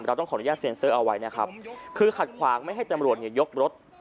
ต้องขออนุญาตเซ็นเซอร์เอาไว้นะครับคือขัดขวางไม่ให้จำรวจเนี่ยยกรถ